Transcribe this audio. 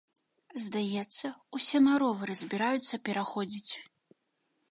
Здаецца, усе на ровары збіраюцца пераходзіць.